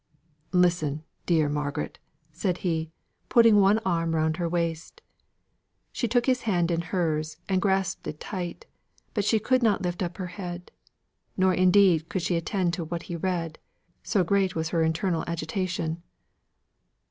"Listen, dear Margaret," said he, putting one arm round her waist. She took his hand in hers and grasped it tight, but she could not lift up her head; nor indeed could she attend to what he read, so great was her internal agitation.